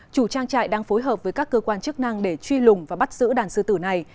chủ trang trại đang phối hợp với các cơ quan chức năng để truy lùng và bắt giữ đàn sư tử này